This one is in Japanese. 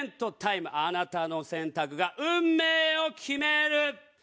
あなたの選択が運命を決める！